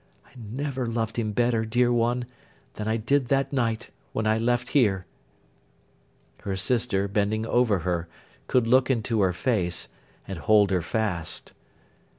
I never loved him better, dear one, than I did that night when I left here.' Her sister, bending over her, could look into her face, and hold her fast.